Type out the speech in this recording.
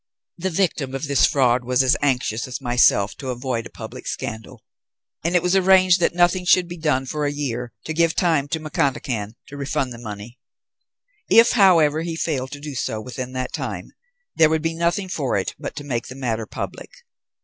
"The victim of the fraud was as anxious as myself to avoid a public scandal, and it was arranged that nothing should be done for a year, to give time to McConachan to refund the money; if, however, he failed to do so within that time, there would be nothing for it but to make the matter public.